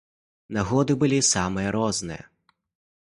Нагоды былі самыя розныя.